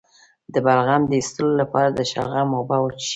د بلغم د ایستلو لپاره د شلغم اوبه وڅښئ